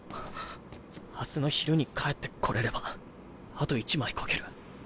明日の昼に帰って来れればあと１枚描ける。